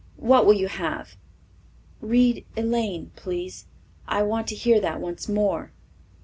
What will you have?" "Read 'Elaine,' please. I want to hear that once more."